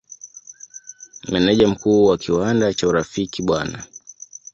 Meneja Mkuu wa kiwanda cha Urafiki Bw.